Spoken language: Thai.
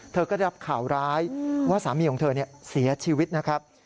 เธอก็ได้รับข่าวร้ายว่าสามีของเธอเสียชีวิตนะครับ